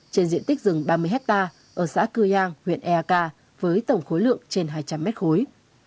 trên diện tích rừng ba mươi hectare ở xã cư giang huyện eak với tổng khối lượng trên hai trăm linh mét khối